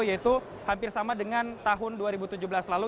yaitu hampir sama dengan tahun dua ribu tujuh belas lalu